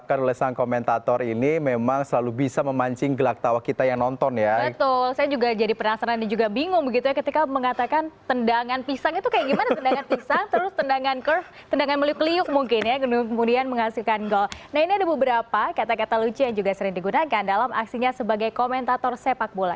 kata kata lucu yang juga sering digunakan dalam aksinya sebagai komentator sepak bola